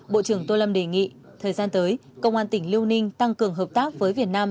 bộ trưởng tô lâm đề nghị thời gian tới công an tỉnh liêu ninh tăng cường hợp tác với việt nam